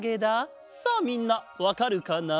さあみんなわかるかな？